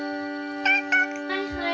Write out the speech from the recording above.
はいはい。